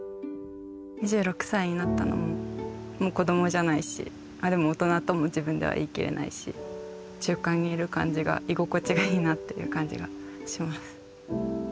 ２６歳になったのももう子供じゃないしでも大人とも自分では言い切れないし中間にいる感じが居心地がいいなっていう感じがします。